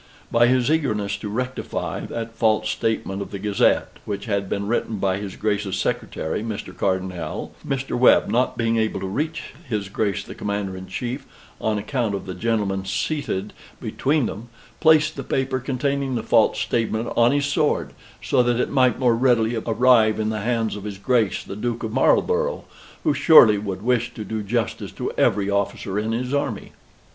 "By his eagerness to rectify that false statement of the Gazette, which had been written by his Grace's secretary, Mr. Cardonnel, Mr. Webb, not being able to reach his Grace the Commander in Chief on account of the gentlemen seated between them, placed the paper containing the false statement on his sword, so that it might more readily arrive in the hands of his Grace the Duke of Marlborough, who surely would wish to do justice to every officer of his army.